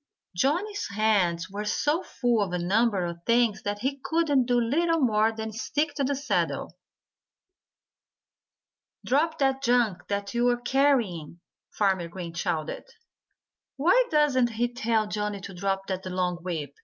Johnnie's hands were so full of a number of things that he could do little more than stick to the saddle. "Drop that junk that you're carrying!" Farmer Green shouted. "Why doesn't he tell Johnnie to drop that long whip?"